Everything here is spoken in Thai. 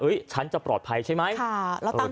ฉันจะปลอดภัยใช่ไหม